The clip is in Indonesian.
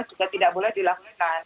juga tidak boleh dilakukan